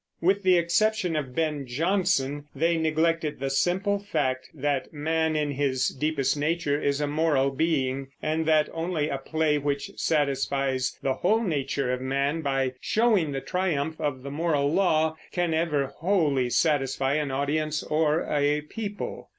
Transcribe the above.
With the exception of Ben Jonson, they neglected the simple fact that man in his deepest nature is a moral being, and that only a play which satisfies the whole nature of man by showing the triumph of the moral law can ever wholly satisfy an audience or a people.